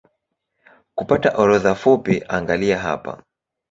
Kupata orodha fupi angalia hapa